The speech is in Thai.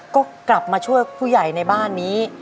ก็กลับมาช่วยผู้ใหญ่ในบ้านนี้